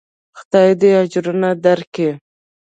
خداى دې اجرونه دركي.